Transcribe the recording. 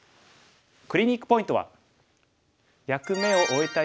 クリニックポイントは。